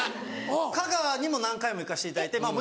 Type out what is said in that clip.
香川にも何回も行かせていただいて。